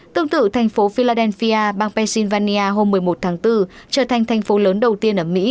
tương tự thành phố philadelphia bang pennsylvania hôm một mươi một tháng bốn trở thành thành phố lớn đầu tiên ở mỹ